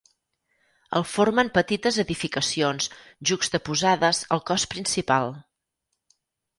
El formen petites edificacions juxtaposades al cos principal.